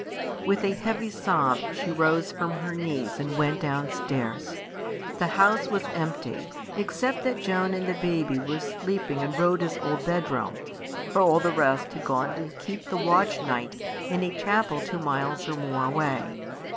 With a heavy sob she rose from her knees and went downstairs. The house was empty, except that Joan and the baby were sleeping in Rhoda's old bedroom; for all the rest had gone to keep the watch night in a chapel two miles or more away.